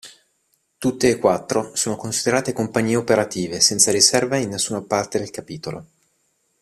Tutte e quattro sono considerate Compagnie Operative senza riserve in nessuna parte del Capitolo.